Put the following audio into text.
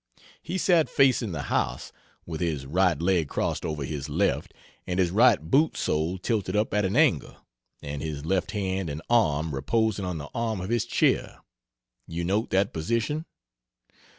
He sat facing the house, with his right leg crossed over his left and his right boot sole tilted up at an angle, and his left hand and arm reposing on the arm of his chair you note that position?